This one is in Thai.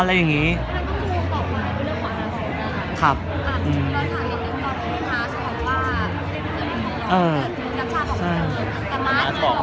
งูบอกว่ามีความรักกว่ามึง